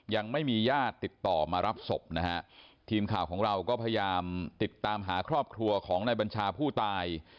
ยังไม่มีญาติติดต่อมารับศพนะฮะทีมข่าวของเราก็พยายามติดตามหาครอบครัวของนายบัญชาผู้ตาย